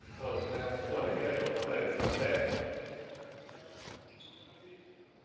そこができないと勝てないですからね。